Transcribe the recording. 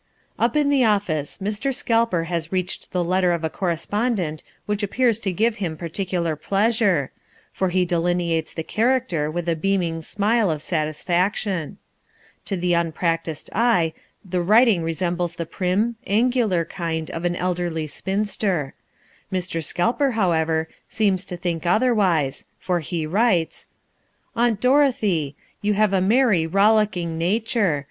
Up in the office Mr. Scalper has reached the letter of a correspondent which appears to give him particular pleasure, for he delineates the character with a beaming smile of satisfaction. To the unpractised eye the writing resembles the prim, angular hand of an elderly spinster. Mr. Scalper, however, seems to think otherwise, for he writes: "Aunt Dorothea. You have a merry, rollicking nature.